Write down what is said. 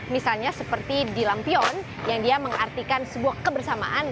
misalnya seperti di lampion yang dia mengartikan sebuah kebersamaan